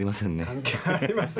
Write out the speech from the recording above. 関係ありませんか。